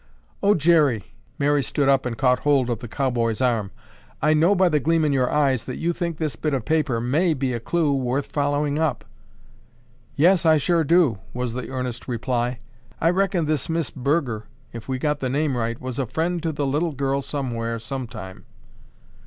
"Oh, Jerry!" Mary stood up and caught hold of the cowboy's arm. "I know by the gleam in your eyes that you think this bit of paper may be a clue worth following up." "Yes, I sure do," was the earnest reply. "I reckon this Miss Burger, if we got the name right, was a friend to the little girl somewhere, sometime."